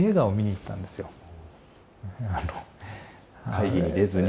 会議に出ずに。